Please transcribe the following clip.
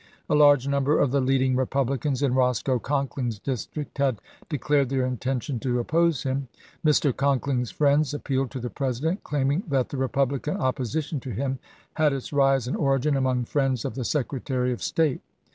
A large number of the leading Republicans in Roscoe Conkling's district had declared their intention to oppose him. Mr. Conkling's friends appealed to the President, claiming that the Republican opposition to him had its rise and origin among friends of the Sec retary of State.